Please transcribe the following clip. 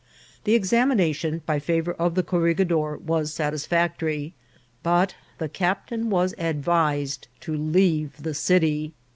The examination, by favour of the corregidor, was satisfactory ; but the captain was advised to leave the city.